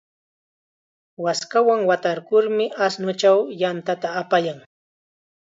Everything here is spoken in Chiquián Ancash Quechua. Waskawan watarkurmi ashnuchaw yantata apayan.